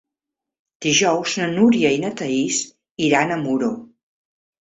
Dijous na Núria i na Thaís iran a Muro.